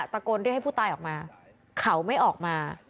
ตะโกนเรียกให้ผู้ตายออกมาเขาไม่ออกมา